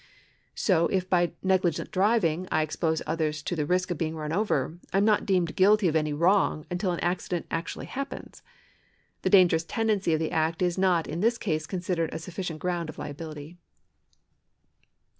So if by negligent driving I expose others to the risk of being run over, I am not deemed guilty of any wrong until an accident actually happens. The dangerous tendency of the act is not in this case considered a sufficient ground of liability.